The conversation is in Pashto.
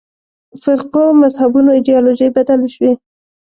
فرقو مذهبونو ایدیالوژۍ بدلې شوې.